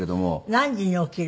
何時に起きるの？